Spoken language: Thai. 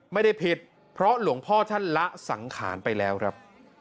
ไม่ได้ผิดเพราะหลวงพ่อท่านละสังขารไปแล้วครับ